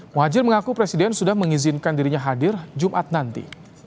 muhajir mengaku presiden sudah mengizinkan dirinya hadir jumat nanti